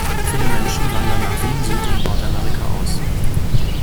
Viele Menschen wandern nach Wien, Süd- und Nordamerika aus.